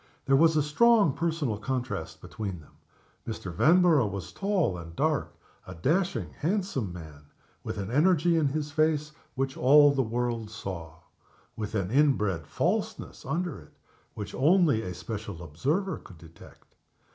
There was a strong personal contrast between them. Mr. Vanborough was tall and dark a dashing, handsome man; with an energy in his face which all the world saw; with an inbred falseness under it which only a special observer could detect.